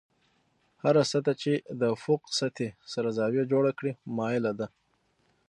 هره سطحه چې د افق سطحې سره زاویه جوړه کړي مایله ده.